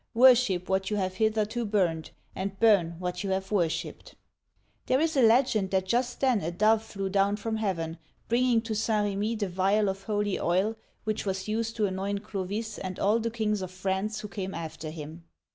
Worship what you have hith erto burned, and burn what you have worshiped. There is a legend that just then a dove flew down from heaven, bringing to St. R^mi the vial of holy oil which was used to anoint Clovis and all the kings of France who came after him.